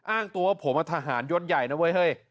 อ้างตัวว่าผมทหารยศใหญ่นะเว้ยเฮ้ย